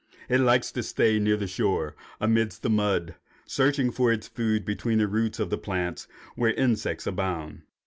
It likes to stay near the shore, amidst the mud, searching for its food between the roots of the plants, where insects abound.